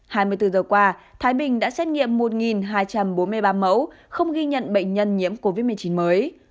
hai mươi bốn giờ qua thái bình đã xét nghiệm một hai trăm bốn mươi ba mẫu không ghi nhận bệnh nhân nhiễm covid một mươi chín mới